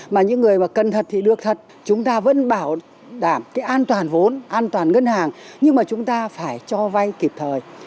mà những người mà cẩn thận thì được thật chúng ta vẫn bảo đảm cái an toàn vốn an toàn ngân hàng nhưng mà chúng ta phải cho vay kịp thời